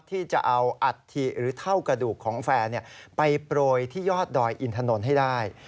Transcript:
ที่จะเอาอัฐิหรือเท่ากระดูกของแฟนไปโปรยที่ยอดดอยอินถนนให้ได้